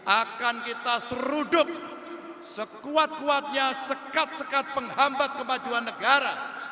akan kita seruduk sekuat kuatnya sekat sekat penghambat kemajuan negara